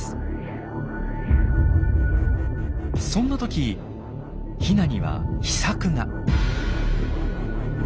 そんなときヒナには秘策が。